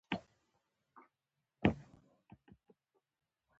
مایټوسیس د حجرې د ویشلو یو ډول دی